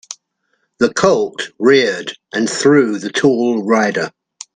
The colt reared and threw the tall rider.